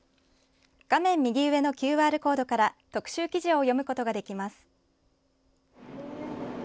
画面右上のＱＲコードから特集記事を読むことができます。